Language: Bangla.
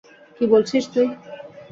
কি বলছিস তুই?